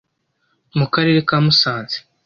Mu karere ka Musanze